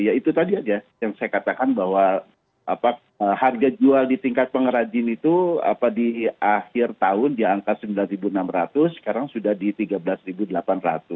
ya itu tadi aja yang saya katakan bahwa harga jual di tingkat pengrajin itu di akhir tahun di angka rp sembilan enam ratus sekarang sudah di rp tiga belas delapan ratus